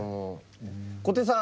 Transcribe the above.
小手さん。